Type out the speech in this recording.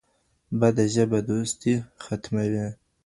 بده ژبه دوستي ختموي